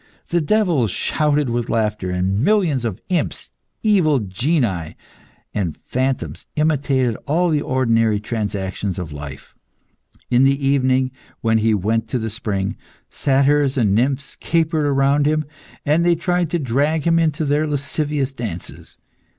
The devils shouted with laughter, and millions of imps, evil genii, and phantoms imitated all the ordinary transactions of life. In the evening, when he went to the spring, satyrs and nymphs capered round him, and tried to drag him into their lascivious dances.